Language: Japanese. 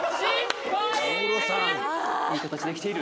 いい形できている